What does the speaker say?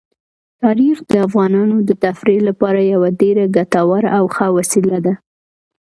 تاریخ د افغانانو د تفریح لپاره یوه ډېره ګټوره او ښه وسیله ده.